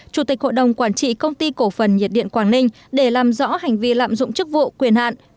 chủ tịch hội đồng quản trị công ty cổ phần nhiệt điện quảng ninh để làm rõ hành vi lạm dụng chức vụ quyền hạn